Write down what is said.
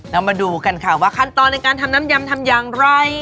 เรามาดูกันค่ะว่าขั้นตอนในการทำน้ำยำทำอย่างไร